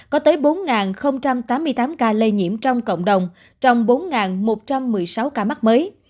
có tới bốn tám mươi tám ca lây nhiễm trong cộng đồng trong bốn một trăm một mươi sáu ca mắc mới